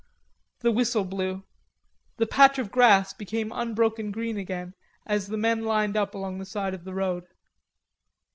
The whistle blew. The patch of grass became unbroken green again as the men lined up along the side of the road.